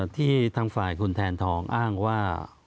ที่ทางฝ่ายคุณแทนทองอ้างว่า